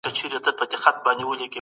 درمل مو شريک دی.